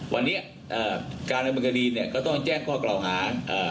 วันนี้การดำเนินคดีก็ต้องแจ้งข้อเกลาหา